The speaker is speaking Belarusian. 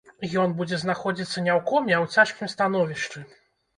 Ён будзе знаходзіцца не ў коме, а ў цяжкім становішчы.